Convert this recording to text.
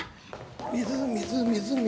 水水水水。